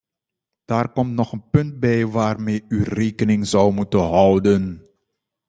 Daar komt nog een punt bij waarmee u rekening zou moeten houden.